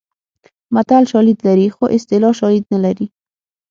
متل شالید لري خو اصطلاح شالید نه لري